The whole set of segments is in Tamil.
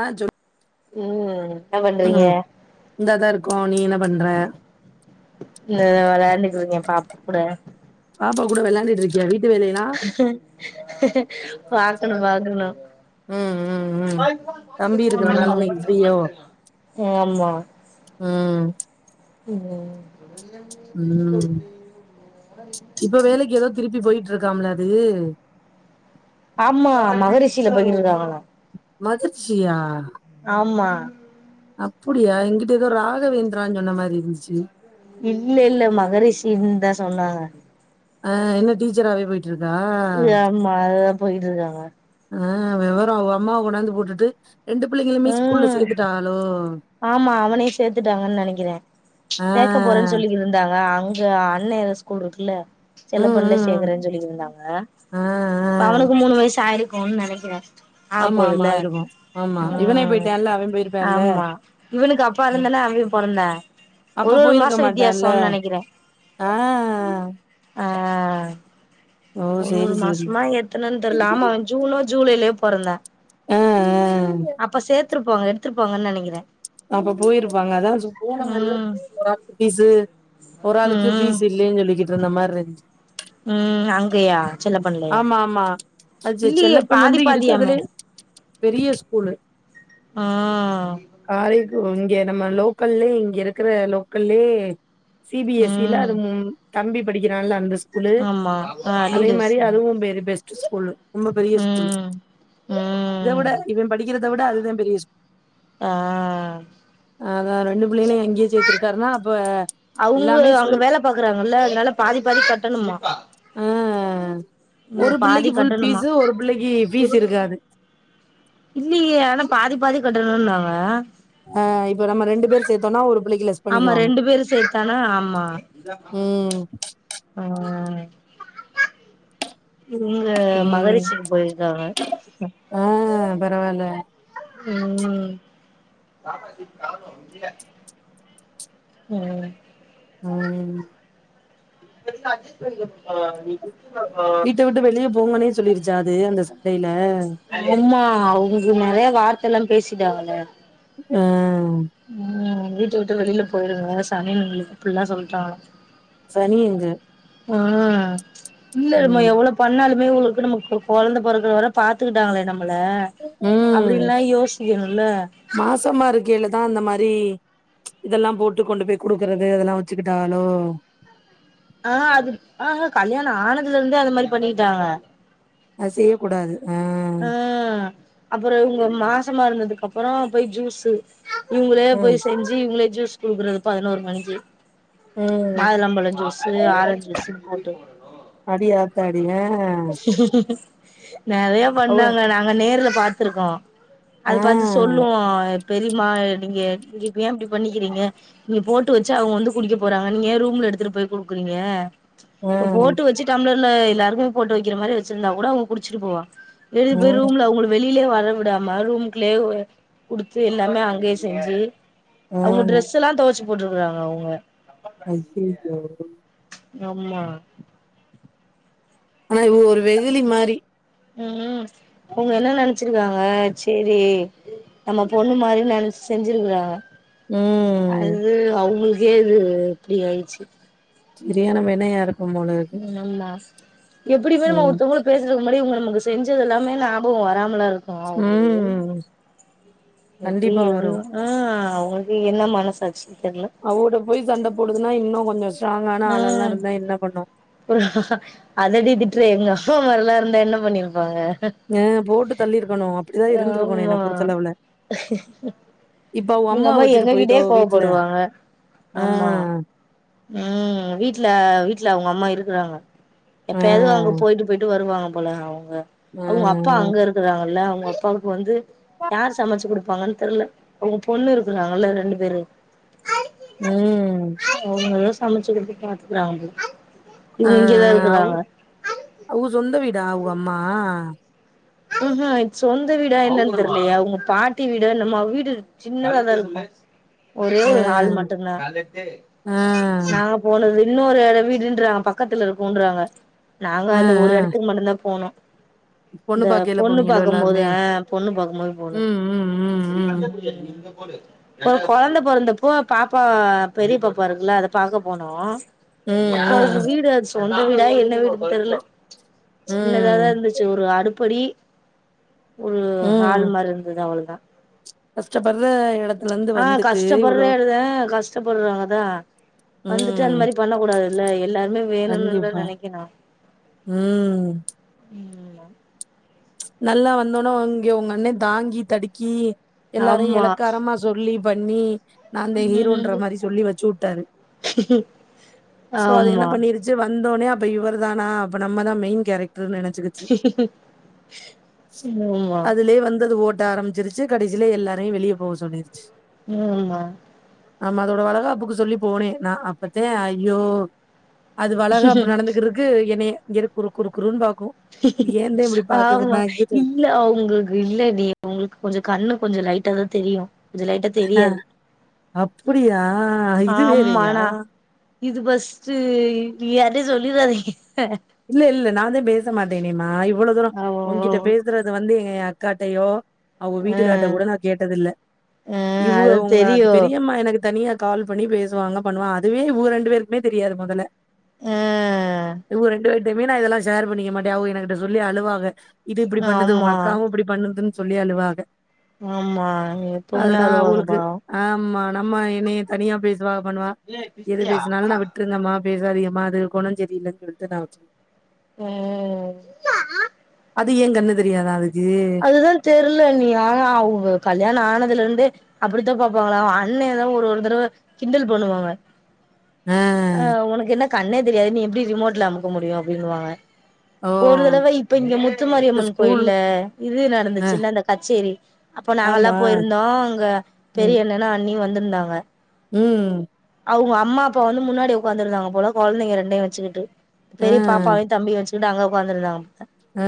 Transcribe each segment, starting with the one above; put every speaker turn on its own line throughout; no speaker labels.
ஆ சொ
ம் என்ன பண்றீங்க
இந்தாதா இருக்கோ நீ என்ன பண்ற
இந்த விளான்டுட்ருக்க பாப் கூட
பாப்பா கூட விளாண்டட்டு இருக்கியாடி
பார்க்கணு பாக்கணு
ம் ம் ம் தம்பி இருக்கறனால இன்னைக்கு ஃப்ரீயோ
ம் ஆமா
ம்
ம் [inaudible]
ம் இப்ப வேலைக்கு ஏதோ திருப்பி போயிட்டு இருக்காம்ல அது
சில பன்னிட்றாங்களா
மதிர்ச்சியா
ஆமா
அப்படியா என்கிட்ட ஏதோ ராகவேந்திரான்னு சொன்ன மாதிரி இருந்துச்சு
இல்ல இல்ல மகரிஷின் தா சொன்னாங்க
அ என்ன டீச்சராவே போயிட்டு இருக்கா
போய்ட்டு இருக்காங்க
ஆ வெவரோ அவ அம்மாவ கொண்டாந்து போட்டுட்டு ரெண்டு பிள்ளைங்களுமே ஸ்கூல்ல
ம்
சேத்துட்டாகளோ
ஆமா அவனே சேர்த்துட்டாங்கன்னு நினைக்கிறே
ஆ
சேர்க்க போறேன்னு சொல்லி இருந்தாக இங்க அண்ண ஏத ஸ்கூல் இருக்குல்ல
ம்
செல்லப்பண்ணல
ம் ம்
சேர்க்கறேன்னு சொல்லிட்டு இருந்தாங்க
ஆ ஆ
ப்பவனுக்கு மூணு வயசு ஆயிரு கோனு நினைக்கிறே
ஆமா ஆமா ஆயிருக்கு ஆமா இவனே
ம்
போயிட்டான்ல அவ போயிருப்பான்ல
ஆமா இவனுக்கு அப்பாவ இருந்தானே அவ பொறந்தா
அப்ப
ஒரு ஒரு
போயிருக்க
மாசோ
மாட்டான்ல
வித்தியாசம்னு நினைக்கிறே
ஆ
ஆ
ஓ
ஒரு
சேரி
ஒரு
சேரி
மாசமா ஏத்தனுன்னு தெரியல ஆமா ஜூனோ ஜூலை லே பொறந்தே
ஆ ஆ
அப்ப சேத்துருபோங்க எத்ருபாங்கனு நெனைகிற
அப்ப போயிருபாங்க அதா போன மாரிதா
ம்
ஒராளுகு பீசு ஒரு ஆளுகு பீசு இல்லெனு சொலிகிடு ருந்த மாரி இருஞ்சு
உ அங்கயா செல்லப்பண்லயா
ஆமா ஆமா அது
இல்லயே
செல்லப்பன்
பாதி
வந்து
பாதியா மே
இருக்கறதுலே பெரிய ஸ்கூலு
ஆ
காரைகு இங்க நம்ம லோக்கல்லே இங்க இருகிற லோக்கல்லே சி பி எஸ் சி ல
ம்
அது உ தம்பி படிக்கிறான்ல அந்த ஸ்கூ கூலு
ஆமா ஆ
அதே மாரி
லீடர்ஸ்
அதுவு பெரு பெஸ்ட்டு ஸ்கூலு ரொம்ப பெரிய ஸ்கூலு
ம்
இத விட
ம்
இவ படிகிறத விட அதுதா பெரிய ஸ்கூல்
அ
அதா ரெண்டுபுள்ளைளயு அங்கயே சேத்திருக்கார்னா ப
அவங்க அங்க வேல பாக்குறாங்கல்ல அதனால பாதி பாதி கட்டணுமா
அ
இவுங்க
ஒரு
பாதி
புள்ளைக்கு ஃபுல்
கட்டணுமா
பீசு ஒரு புள்ளைகு ஃபீஸ் இருகாது
இல்லியே ஆனா பாதி பாதி கட்டணும்னாங்க
ஆ இப்
ஆமா ரெண்டு பேரு சேத்தானா ஆமா
ம்
உ இங்க
ம்
மகரிசிகு போயிருகாங்க
பரவால
உ உ
உ
இப்ப இருந்தா அஜஸ் பன்ணிப்போ
வீட்ட விட்டு வெளிய போங்கனே சொல்லிருச்சா அது அந்த ச ந
ஆ அவ்ங்களுகு நெறயா வார்தைலா பேசிடாங்கள
ஆ
உ ஆ வீட்ட விட்டு வெளில போயிடுங்க சனியனுங்களுக்கு இப்பில்லா சொல்ட்டாங்க
சனி எங்க
ஆ இல்லருமா
ம்
எவ்ளோ பண்ணாலு இன்மே இவங்களுக்கு நம்மலுக்கு கொழந்த பொறக்கறவர பாத்துகிட்டாங்களே வரபாத்துகிடாங்களே நம்ம
உ
யோசிக்கணும்ல
மாசமா இருக்கேலதா அந்த மாரி ரி இதெல்லாம் போட்டு கொண்டு போய் குடுக்கறது அதெல்லாம் வச்சிக்கிட்டாலோ
ஆ அது ஆஹ கல்யாணம் ஆனதுல இருந்தே அந்த மாரி பண்ணிகிட்டாங்க
அது செய்ய கூடாது ஆ
ஹம் அப்புறம் இவங்க மா சமா இருந்ததுக்கு அப்புறம் போய் ஜூஸு இவுங்களே
ம்
போய் செஞ்சி இவங்களே ஜூஸ் ஸ் குடுக்குறது பதினோரு மணி்க்கு மாதுளம்பழம் ஜுஸ்
அடியாத்தாடி ஆ
[unintelligible] நறையா
அவ
பண்ணாங்க நாங்க நேர்ல பாத்துருக்கோம்
ஆ
அது பாத்து சொல்லும் பெரிமா நீங்க இங்க இப்ப ஏன் இப்படி பண்ணிக்கிறீங்க நீங்க போட்டு வச்சா அவுங்க வந்து குடிக்க போறாங்க நீங்க ஏன் ரூம்ல எடுத்துட்டு போய் குடுக்கறீங்க
ஆ
இப்ப போட்டு வச்சி டம்ளர் இந்த எல்லாருக்குமே போட்டு வக்கிற மாரி வச்சிருந்தா கூட அவுங்க குடிச்சிட்டு போவா எதுக்கு போயி
ம்
ரூம்ல அவுங்கள வெளியிலே வர விட முடாம ரூம்க்குள்ளே அ குடுத்து எல்லாமே அங்கே செஞ்சி
ஆ
அவுங்க டிரெஸ்லாம் தொவைச்சி போட்டுருக்காங்க அவுங்க
அய்யய்ய
ஆமா
ஆனா இவுங்க ஒரு வெகுலி மாறி
ம் ம் அவுங்க என்ன நெனைச்சிருக்காங்க சேரி நம்ம பொண்ணு மாரி நெனச்சி செஞ்சிருக்கறாங்க
ம்
அது அவுங்களுக்கு கேது இப்டி ஆயிருச்சி
செரியான வெனயா இரு
ஆமா எப்படிமே நம்ம
ம்
ஒருத்தவங்கள பேசறதுக்கு முன்னாடி இவங்க நமக்கு செஞ்சதெல்லா மே ஞாபகம் வராமல இரு க்கும் அவுங்களுக்கு
ம்
எப்டி
கண்டிப்பா வரு
எவ்ளோ ஆ அவுங்களு து என்ன மனசாட்சி தெர்ல
அவுட போய் சண்ட போடுதுன்னா இன்னும் ன்னஸ்
ம் அதடிதிட்டுற எங்கா இப்ப மாரிலா இருந்த என்ன பண்ணிருப்பாங்க
அ போட்டு தள்ளிருக்கணு அப்படிதா இருந்திருக்கணு என்ன
ஆமா
பொறுத்தளவுல இப்
நீங்க அம்மா எங்ககிட்டயே கோவப்படுவாங்க
ஆ
ஆமா ம் வீட்ல வீட்ல அவங்க அம்மா இருக்குறாங்க
ஆ
எப்ப எது அங்க போயிட்டு போயிட்டு வருவாங்க போலஅவ்ங்
ஆ
அவங்க அப்பா அங்க இருக்கறாங்கல்ல அவங்க அப்பாக்கு வந்து யார் சமைச்சு குடு ப்பாங்கன்னு தெர்ல அவங்க பொண்ணு இருக்குறாங்கல்ல ரெண்டு பேரு
ம்
அவங்களல்லே சமைச்சுக்கிட்டு பாத்துக்கறாங்கபோல
ஆ
இவுங்க இங்கதா இருக்கறாங்க
ஆகுவம்மா
உஹு இந் சொந்த வீடா என்னன்னு தெரியலையா அவுங்க பாட்டி வீடோ என்னமோ அவு வீடு சின்னதாத இருக்கு ஒரே
ஆ
ஒரு ஹால் மட்டு தா
ஆ
நாங்க போனது இன்னொரு வீடுன்றாங்க பக்கத்துல இருக்கும்ன்றாங்க நாங்க
ஆ
அந்த ஒரு
ஆ
எடத்துக்கு மட்டும்தா போனோ
பொண்ணு
இந்த
பாக்கையில
பொண்ணு
போனீங்களோ
பாக்கும்போது
எல்லாருமே
ஆ பொண்ணு பாக்கும்போது போனோ
ம் ம் ம் ம்
ஒரு கொழந்தை போறந்தப்போ பாப்பா பெரிய பாப்பா இருக்குல்ல அத பாக்க போனோ அப்ப அதுக்கு
ம்
வீடுஎச்சொன் ந்தா என்ன வீடு தெரில
ம்
சின்னதாதா
ம்
இருந்துச்சு ஒரு அடுப் பொடி ஒரு ஹாலு மாரி இருந்துது அவ்ளோதா
கஸ்டபரஎடத்
ஆ கஷ்டப்படுறேழுதே கஷ்டப்படுறாங்கதா வந்துட்டு அந்த
ம்
மா ரி பண்ண கூடாது இல்ல எல்லாருமே வேணும்னுல்ல
கண்டிப்பா
நினைக்கணு
ம்
ம் ஆ
நல்லா வந்தோனா ஒ அங்கே ஒங்க அண்ணே தாங்கி தடுக்கி எல்லாரையு
ஆமா
எலக்காரமா சொல்லி பண்ணி நான்தா ஹீரோன்ற
ம்
மாரி சொல்லி வச்சி உட்டாரு சோ அது என்ன
ஆமா
பண்ணிருச்சி வந்தோனே அப்ப இவர் தானா அப்ப நம்மதா மெயின் கேரக் டர் நெனச்சிகிச்சி
ஆமா
அது ஓட்ட ஆரம்பிச்சிருச்சி கடைசில எல்லாரையும் வெளிய போ சொல்லிருச்சி
ம் மா
ஆமா அதோட வளகாப்புக்கு சொல்லி போனேன் நா அப்பத்தேன் ஐயோ அது வளகாப்பு நடந்துகிட்டுருக்கு என்னைய இங்கேரு குறுக்குறுக் குறுனு பாக் கும் ஏந்தே இப்படி பா
ஆமா இல்ல அவங்களுக்கு இல்ல நீ அவுங்களுக்கு கொஞ்சம் கண்ணு கொஞ்சம் லைட்ட தான் தெரியும்
ஆ அப்டியா இது
ஆமா
வேறயா
நா இது பஸ்ட்டு யாரிட்டயு சொல்லிறாதிங்க
இல்ல இல்ல நான்ந்தே பேசமாட்டேனே நா எப் இவ்ளோ தூரம்
ஆமா ஆமா
ஒன்க்கிட்ட பேசறது வந்து என் அக்காட்டயோ அவுங்க
ஆமா
வீட்டுக்கார்ட்ட கூட நான் கேட்டதில்ல
ஆ ஆ
இவுக
அது
உங்க அது
தெரியு
பெரியம்மா எனக்கு தனியா கால் பண்ணி பேசுவாங்க பண்ணுவன் அதுவே இவுக ரெண்டு பேருக்குமே தெரியாது மொதல
ஆ
இவுங்க ரெண் ண்டு பேர்ட்டையுமே நா இதெல்லாம் ஷேர் பண்ணிக்க மாட்டே அவுங்க எனகிட்ட சொல்லி அழுவாங்க இது இப்டி பண்ணுது ஒங்க
ஆமா
அக்காவும் இப்டி பண்ணுதுன்னு சொல்லி அழுவாக
ஆமா எப்பவுமே அழுவாங்க
அவளுக்கு
பாவோ
ஆமா நம்ம என்னய தனியா பேச சுவ பண்ணுவ எது பேசனாலும் நான் விட்டுரங்கம்மா பேசாதீக மா அது கொணம் சரியில்லன் சொல் ந்த நா வச்சிக்குவ
ம்
அது ஏ கன்னு தெரியாதா அதுக்கு
அதுதா தெர்ல நீ ஆனா அவங்க கல்யாணோ ஆனதுலருந்தே அப்படித்தா பார்ப்பாங்களா அவ அண்ணெ எதோ ஒரு தடவ கிண்டல் பண்ணுவாங்க
ஆ
ஆ உனக்கு என்ன கண்ணே தெரியாது நீ எப்டி ரிமோட்ல அமுக்க முடியு அப்டின்னுவாங்க
ஓ
ஒரு தடவ இப்ப இங்க
இந்த
முத்துமாரியம்மன்
ஸ்கூல்
கோயில்ல இது
ஆ
நடந்துச்சுல அந்த கச்சேரி அப்ப நாங்கல்லா
ஆமா
போயிருந்தோ அங்க
ம்
பெரிய என்னன்னா அன் நீ வந்திருந்தாங்க
ம்
அவுங்க அம்மா அப்பா வந்து முன்னாடி உட்காந்துருதாங்க போல கொழந்தைங்க ரெண்டையு வச்சிகிட்டு
ஆ
பெரிய பாப்பாவையு தம்பி வச்சி ட்டு அங்க உக்காந்துதாங்க
ஆ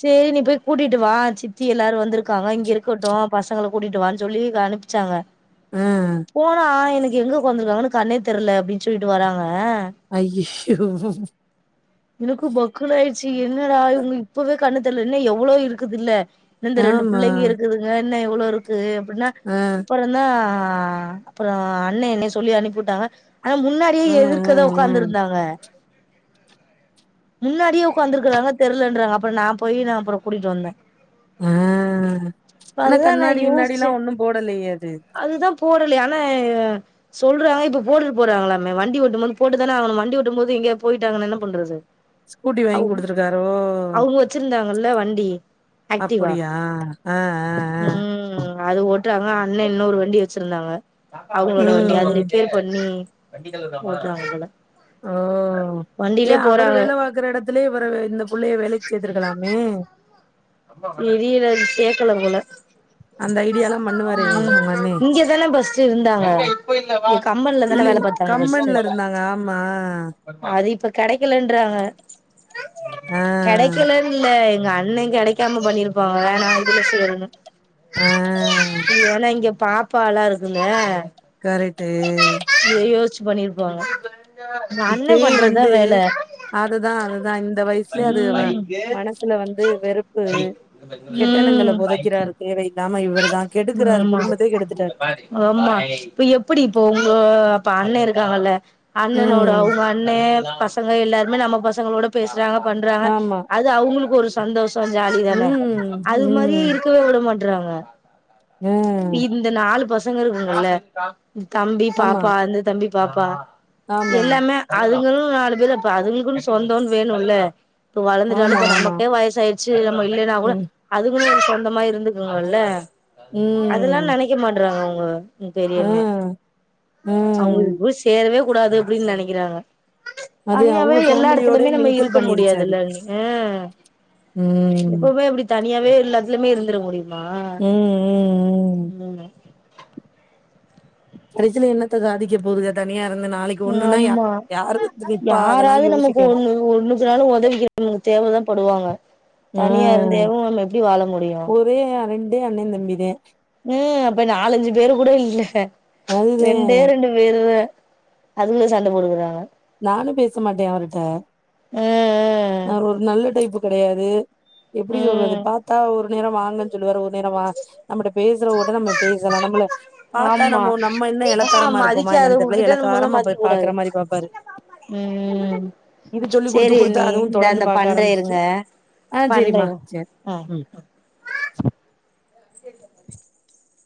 செரி நீப்பே கூடிட்டு வா சித்தி யில்லோரு வந்திருகாங்க இங்க இருகட்டு பசங்கள கூடிட்டுவான்னு சொல்லி அனுப்பிசாங்க
ஆ
போனா எனக் எங்க உக்காந்து யிருக்கங்கனு கண்ணேதெரில அப்டின்னு சொல்லிட்டு வராங்க
ஐயி [inaudible]
னக்கு பக்குனாயிடுச்சி ன்னடா இவங்க இபவே கண்ணு தெரல இன்னு எவ்வளோயிருக்குதுல்ல இந்த ரெண்டு
ஆமா
புள்ளைங்க யிருக்குதுங்க ன்ன எவ்ளோ யிருக்கு ன்னா
ஆ
அபுறதா ஆ அபுறோ அண்ணே என்னய சொல்லி அனுப்பிவுட்டாங்க ஆனா முனாடியே
ஆ ஆ
எதிர்க்கத உட்காந்து யிருந்தாங்க முனாடியே உட்காந்துருகறாங்க தெருலன்றாங்க அபுற நா போயி நா அபுற போயிகூடிட்டு வந்தே
ஆ
இப்ப
ஆனா
அதுதா நா
கண்ணாடி கிண்ணாடி யில்லா
யோசிச்சே
ஒணு போடலையே அது
ட்டலேயேஆன சொல்றாங்க இப்ப போட்டு போறாங்களேமே வண்டிட்டு போது போட்டுதானே ஆவனு வண்டி ஒட்டு போது இங்க போயிடாங்கன என்ன பண்றது
ஸ்கூட்டி வாங்கி
அவ்
கொடுத்துருகாரோ
அவங்க வச்சிருந்தாங்கல்ல வண்டி ஆக்டிவா
அப்பிடியா அ அ அ
ம் அது ஓட்டுறாங்க அண்ணே இன்னொரு வண்டி வச்சிருந்தாங்க
ஆ
அவங்களோட வண்டி அது
ம்
ரிப்பேர் பணி இருக்குறாங்க போல
ஓ
வண்டியிலே
ஏன் அவு அவரு வேல பாக்கற எடத் அதுலே வரவே இந்த புள்ளைய வேலைக்கு சேத்திருக்கலாமே
தெரியில சேக்கல போல
அந்த ஐடியாலா பண்ணுவாரே
ம்
உங்க அண்ணே
இங்கதானே பஸ்ட்டு இருந்தாங்க ஒரு கம்பெனில தானா
இல்ல
வேல பாத்தாங்க பஸ்ட்டு
கம்பன்ல இருந்தாங்க ஆமா
அது இப்ப கெடைகலன்றாங்க
ஆ
கெடைகலனு இல்ல உங்க அண்ணே கெடைக்காம பண்ணிருப்பாங்க நா எந்திருச்சி வரும்னு
ஆ
பாப்பால்லா இருக்கு இல்ல
கரெட்டு
பண்ணிருப்பாங்க எங்க அண்ணே
இப்பயே
பண்றதுதா
வந்து
வேல
அதுதான் அதுதான் இந்த வயசுலே அது வ மனசுல வந்து வெறுப்பு கெட்டணங்கள
ம்
பொதைக்கிறாரு வேற எது
ஆமா
கெடுத்துட்டாரு
ஆமா இப்ப எப்டி இப்ப ஒங்க அப்ப அண்ண இருக் காங்க இல்ல அண்ணணோட
ம்
அவுங்க அண்ணே பசங்க எல்லாருமே நம்ம பசங்களோட பேச றாங்க பண்றாங்க
ஆமா
அது அவுங்களுக்கு ஒரு சந்தோஷ இப்ப ஜாலி தான
ம்
அது மாரி
ம்
இருக்கவே விட மாட் றாங்க
ம்
இந்த நாலு பச ங்க இருக்குங்கல்ல தம்பி
ஆமா
பாப்பா அந்த தம்பி பாப்பா
ஆமா
எல்லாமே அதுங்களும் நாலு பேர் அப்ப அதுங்களுக்கு சொந்தம்ன்னு வேணும்ல்ல இப்போ வளர்ந்துட்டாலு
ஆமா
இப்ப
ஆமா
நமக்கே வயசு ஆயிடுச்சு நம்ம இல்லைன்னா கூட
ம்
அதுக்குன்ன சொ அந்த மாதிரி இருந்துக்குனுல்ல அதெல்லா
ம்
நெனைக்க மாட்டறாங்க அவங்க ஆ பெரியண்ணே
ஆ ம்
அவங்களுக்கு கூ சேரவே கூடாது அப்டின்னு நெனைக்கிறாங்க
அது
தனியாவே
அவுங்க
எல்லா
ஃபேமிலியோட
இடத்துலயுமே நம்ம
மிங்கிள்
இருக்க
பண்ணிருச்சு அது
முடியாதுல்ல நீனு ஆ
ம்
எப்பவுமே இப்டி த தனியாவே எல்லாத்துலுமே இருந்துர முடியுமா ம்
கடைசில என்னத்த சாதிக்க போகுதுங்க தனியா இருந்து நாளைக்கு ஒண்ணுன்னா யா
ஆமா
யாரு வந்து நிப்பா அதெல்லா
யாராவது நமக்கு
யோசிக்கணு
ஒண்ணு ஒண்ணுக்கு நாளு உதவிக்குருக்கனு தேவதா படுவாங்க
ஆ
தனியா இருந்த தேவும் நம்ம எப்டி வாழ முடியு
இதே அண்ண தம்பி தே
ம் அப்ப நாலஞ்சு பேரு கூட இல்ல
அதுதே
ரெண்டே ரெண்டு பேரு தே அதுல சண்ட போடுக்குறாங்க
நானு பேச மாட்டே அவர்கிட்ட
ம் ம்
ஆ ஒரு நல்ல டைப்பு கெடையாது
ம்
எப்டி சொல்றது
ம்
பார்த்தா ஒரு நேரா வாங்கன்னு சொல்லுவார் ஒரு நேரவா நம்மட பேசுற வுட நம்ம பேசலா நம்மள பார்த்தா
ஆமா
நம்ம நம்ம என்ன
ஆ
எலக்காரமா இருக்கோமா என்ன தெர்ல
மதிக்காதவங்ககிட்ட நம்மல்லா
எலக்காரமா
மதிக்க
போய்
கூடாது
பாக்குற மாரி பாபாரு
ம்
இது சொல்லி் கொடுத்து குடுத்து அதுவு தொடர்ந்து
இந்தந்த
பாக்க
பண்றே
ஆரம்பிச்சிச்சு
இருங்க
ஆ
பண்ற
சரிம்மா.
ம்
சரி.
[inaudible]